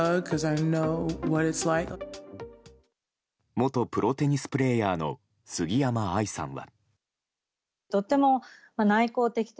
元プロテニスプレーヤーの杉山愛さんは。